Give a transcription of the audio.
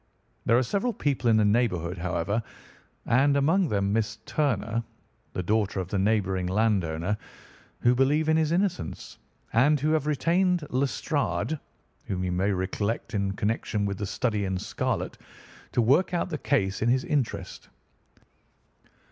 There are several people in the neighbourhood, however, and among them Miss Turner, the daughter of the neighbouring landowner, who believe in his innocence, and who have retained Lestrade, whom you may recollect in connection with the Study in Scarlet, to work out the case in his interest.